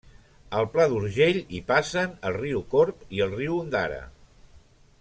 Al Pla d'Urgell hi passen el riu Corb i el riu Ondara.